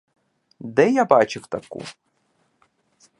Де я бачив таку?